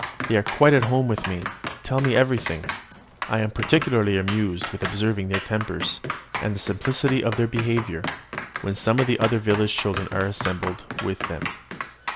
They are quite at home with me, tell me everything; and I am particularly amused with observing their tempers, and the simplicity of their behaviour, when some of the other village children are assembled with them.